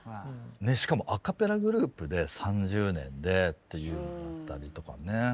しかもアカペラグループで３０年でっていったりとかね。